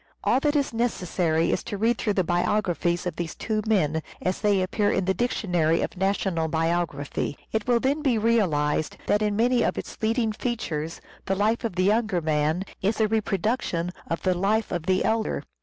All that is necessary is to read through the biographies of these two men, as they appear in the Dictionary of National Biography. It will then be realized that in many of its leading features the life of the younger man is a reproduction of the life of the elder.